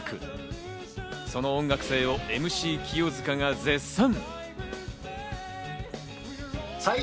その音楽性をＭＣ清塚が絶賛。